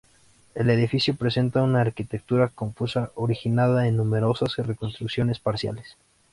El edificio presenta una arquitectura confusa originada en numerosas reconstrucciones parciales.